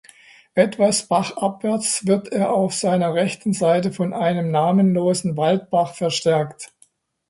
Etwas bachabwärts wird er auf seiner rechten Seite von einem namenlosen Waldbach verstärkt.